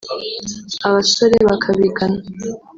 abasore bakabigana